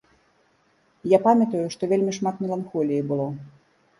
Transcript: Я памятаю, што вельмі шмат меланхоліі было.